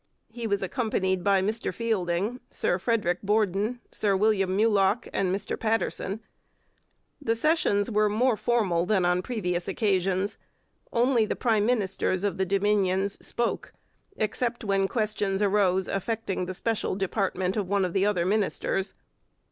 He was accompanied by Mr Fielding, Sir Frederick Borden, Sir William Mulock, and Mr Paterson. The sessions were more formal than on previous occasions. Only the prime ministers of the Dominions spoke, except when questions arose affecting the special department of one of the other ministers.